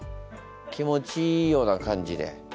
気持ちいいような感じで。